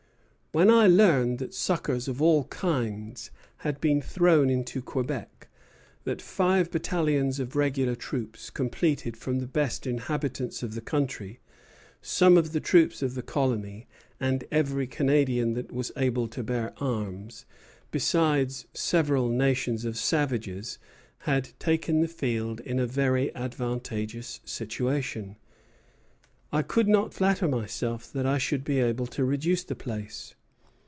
When I learned that succors of all kinds had been thrown into Quebec; that five battalions of regular troops, completed from the best inhabitants of the country, some of the troops of the colony, and every Canadian that was able to bear arms, besides several nations of savages, had taken the field in a very advantageous situation, I could not flatter myself that I should be able to reduce the place.